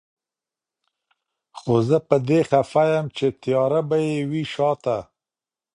خو زه په دې خفه يم چي تياره به يې وي شاته